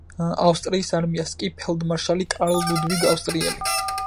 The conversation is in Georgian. ავსტრიის არმიას კი ფელდმარშალი კარლ ლუდვიგ ავსტრიელი.